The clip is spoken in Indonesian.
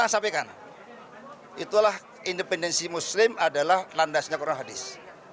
saya independen kurang hadis